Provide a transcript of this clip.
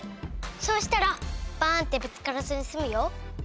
そうしたらバーンッてぶつからずにすむよ。